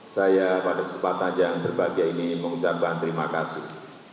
saya pada kesempatan yang berbahagia ini mengucapkan terima kasih